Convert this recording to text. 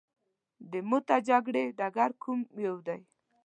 د موته جګړې ډګر کوم یو دی.